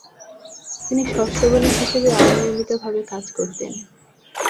তিনি শস্য বণিক হিসেবে অনিয়মিতভাবে কাজ করতেন।